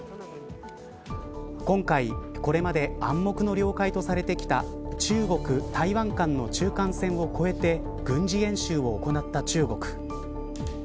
今回、これまで暗黙の了解とされてきた中国・台湾間の中間線を越えて軍事演習を行った中国。